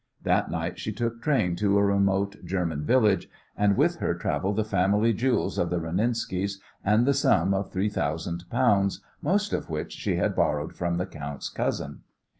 That night she took train to a remote German village, and with her travelled the family jewels of the Renenskis and the sum of three thousand pounds, most of which she had borrowed from the count's cousin.